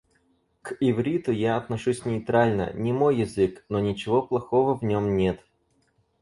К ивриту я отношусь нейтрально. Не мой язык, но ничего плохого в нём нет.